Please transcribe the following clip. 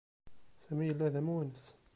Sami yella d amwanes.